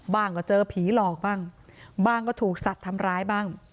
ก็เจอผีหลอกบ้างบ้างก็ถูกสัตว์ทำร้ายบ้าง